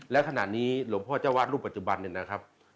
และขณะนี้หลวงพ่อเจ้าวาดรูปปัจจุบันเนี่ยนะครับ